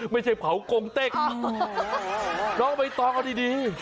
ไม่ใช่เผาโกงเต็กลองไม่ต้องเอาดี